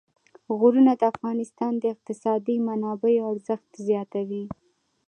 غرونه د افغانستان د اقتصادي منابعو ارزښت زیاتوي.